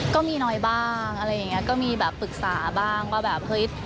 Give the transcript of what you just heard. ก็มีน้อยบ้างอะไรอย่างเงี้ยก็มีแบบปรึกษาบ้างว่าแบบเฮ้ย